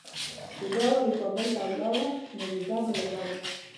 چې دا وار چې کابل ته لاړم نو ویزه به لګوم.